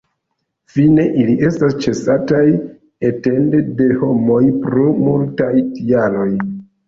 Fine ili estas ĉasataj etende de homoj pro multaj tialoj.